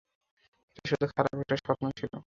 এটা শুধু খারাপ একটা স্বপ্ন ছিল!